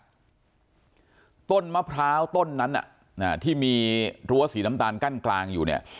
ผู้เจ็บสาหัสต้นมะพร้าวต้นนั้นน่ะที่มีรั้วสีน้ำตาลกั้นกลางอยู่เนี่ย